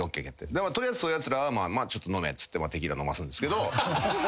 取りあえずそういうやつらはちょっと飲めってテキーラ飲ますんですけど。